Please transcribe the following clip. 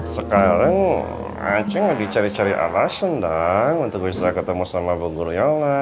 sekarang ancing lagi cari cari alasan dang untuk bisa ketemu sama bu guryola